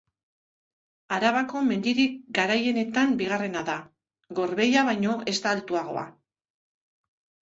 Arabako mendirik garaienetan bigarrena da; Gorbeia baino ez da altuagoa.